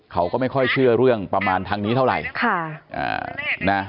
เขาก็ไม่ค่อยเชื่อเรื่องประมาณทางนี้เท่าไหร่